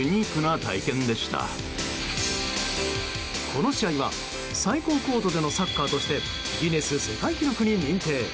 この試合は最高高度でのサッカーとしてギネス世界記録に認定。